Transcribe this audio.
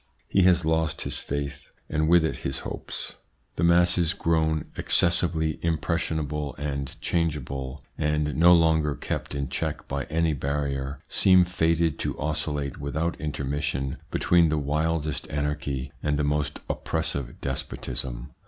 He has lost his faith, and with it his hopes. The masses, 220 THE PSYCHOLOGY OF PEOPLES: grown excessively impressionable and changeable, and no longer kept in check by any barrier, seem fated to oscillate without intermission between the wildest anarchy and the most oppressive despotism.